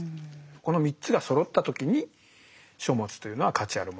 この３つがそろった時に書物というのは価値あるものになってたんだと。